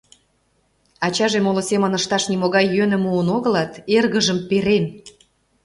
Ачаже моло семын ышташ нимогай йӧным муын огылат, эргыжым перен.